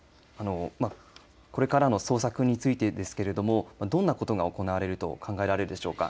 これからの捜索についてですけれどもどんなことが行われると考えられるでしょうか。